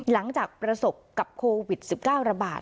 หลังจากประสบกับโควิด๑๙ระบาด